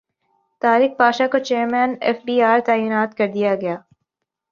طارق پاشا کو chairman F B R تعینات کردیاگیا